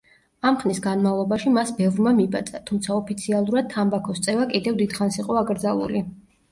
ამ ხნის განმავლობაში მას ბევრმა მიბაძა, თუმცა ოფიციალურად თამბაქოს წევა კიდევ დიდხანს იყო აკრძალული.